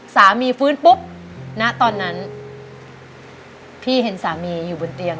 สามีฟื้นปุ๊บณตอนนั้นพี่เห็นสามีอยู่บนเตียง